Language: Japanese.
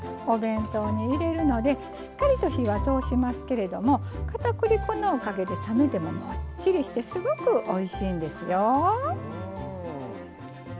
お弁当に入れるのでしっかりと火は通しますけれどもかたくり粉のおかげで冷めてももっちりしてすごくおいしいんですよ。